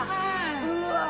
うわ！